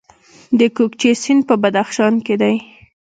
د کوکچې سیند په بدخشان کې دی